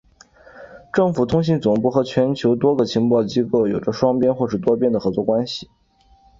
政府通信总部和全球多个情报机构有着双边或是多边的合作关系。